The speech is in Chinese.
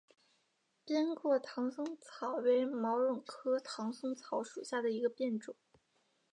扁果唐松草为毛茛科唐松草属下的一个变种。